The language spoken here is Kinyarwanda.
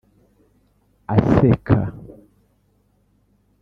aseka